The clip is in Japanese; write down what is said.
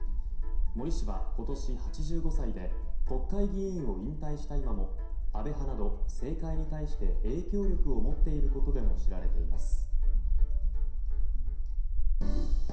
森氏は今年８５歳で国会議員を引退した今も安倍派など政界に対して影響力を持っていることでも知られています。